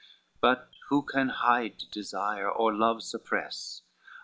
XCVI "But who can hide desire, or love suppress?